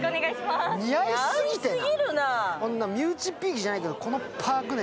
似合いすぎてない？